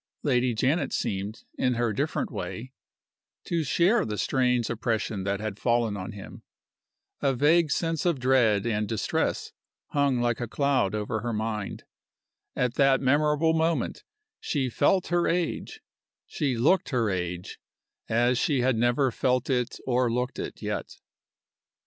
Lady Janet seemed, in her different way, to share the strange oppression that had fallen on him. A vague sense of dread and distress hung like a cloud over her mind. At that memorable moment she felt her age, she looked her age, as she had never felt it or looked it yet.